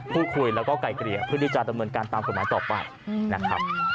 พูดคุยแล้วก็ไกลเกลี่ยเพื่อที่จะดำเนินการตามกฎหมายต่อไปนะครับ